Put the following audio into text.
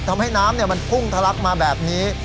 ทำให้น้ำมันพุ่งทะลักมาแบบนี้